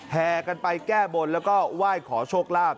แห่กันไปแก้บนแล้วก็ไหว้ขอโชคลาภ